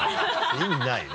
意味ないね